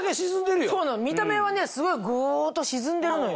見た目はねすごいぐっと沈んでるのよ。